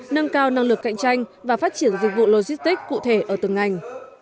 nâng cao năng lực cạnh tranh và phát triển dịch vụ logistics cụ thể ở từng ngành